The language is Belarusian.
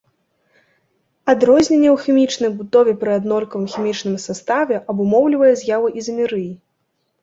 Адрозненне ў хімічнай будове пры аднолькавым хімічным саставе абумоўлівае з'яву ізамерыі.